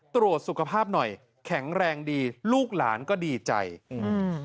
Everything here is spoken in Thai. ตรวจสุขภาพหน่อยแข็งแรงดีลูกหลานก็ดีใจอืม